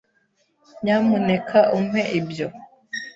Nyamuneka umpe ibyo.